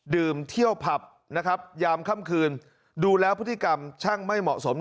ดื่มเที่ยวผับนะครับยามค่ำคืนดูแล้วพฤติกรรมช่างไม่เหมาะสม